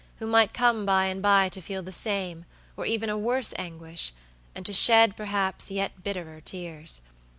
who might come by and by to feel the same, or even a worse anguish, and to shed, perhaps, yet bitterer tears.